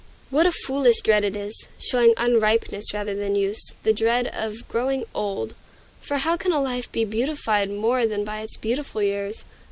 What a foolish dread it is, showing unripeness rather than youth, the dread of growing old! For how can a life be beautified more than by its beautiful years?